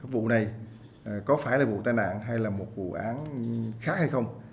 vụ này có phải là vụ tai nạn hay là một vụ án khác hay không